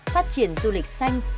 phát triển du lịch xanh